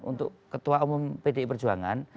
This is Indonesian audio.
untuk ketua umum pdi perjuangan